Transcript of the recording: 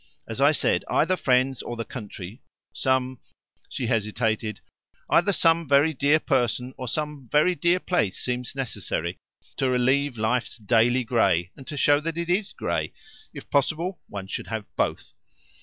As I said, either friends or the country, some" she hesitated "either some very dear person or some very dear place seems necessary to relieve life's daily grey, and to show that it is grey. If possible, one should have both."